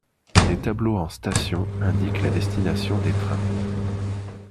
Des tableaux en station indiquent la destination des trains.